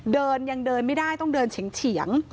เดินยังเดินไม่ได้ต้องเดินเฉียง